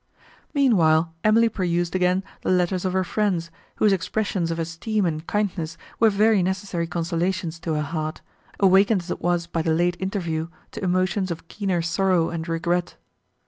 Meanwhile, Emily perused again the letters of her friends, whose expressions of esteem and kindness were very necessary consolations to her heart, awakened as it was by the late interview to emotions of keener sorrow and regret.